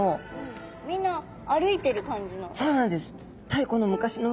うんみんな歩いてる感じの。